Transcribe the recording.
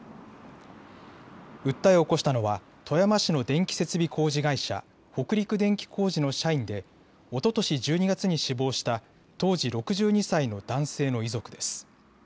訴えを起こしたのは富山市の電気設備工事会社、北陸電気工事の社員でおととし１２月に死亡した当時６２歳の男性の遺族です。